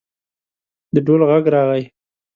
د ډول غږ راغی.